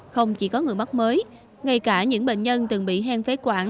không chỉ có người mắc mới ngay cả những bệnh nhân từng bị hen phế quản